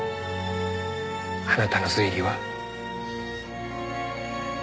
あなたの推理は？